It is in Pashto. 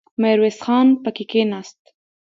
ميرويس خان پکې کېناست.